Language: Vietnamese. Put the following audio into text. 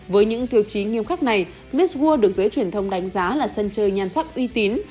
với những tiêu chí nghiêm khắc này mietworld được giới truyền thông đánh giá là sân chơi nhan sắc uy tín